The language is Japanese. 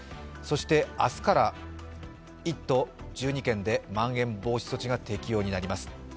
そして明日から１都１２県でまん延防止措置が適用になります。